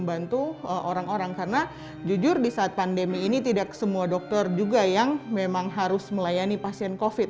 membantu orang orang karena jujur di saat pandemi ini tidak semua dokter juga yang memang harus melayani pasien covid